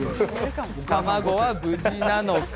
卵は無事なのか。